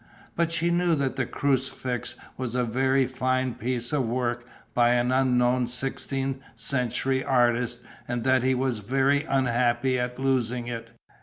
But she knew that the crucifix was a very fine piece of work by an unknown sixteenth century artist and that he was very unhappy at losing it.